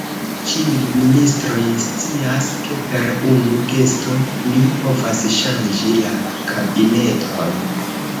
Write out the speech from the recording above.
Ĉiuj ministroj scias, ke per unu gesto mi povas ŝanĝi la kabineton.